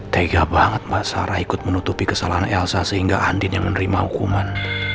tega banget mbak sarah ikut menutupi kesalahan elsa sehingga andina menerima hukuman